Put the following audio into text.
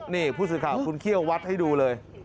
นี่ผู้สื่อข่าวคุณเขี้ยววัดให้ดูเลย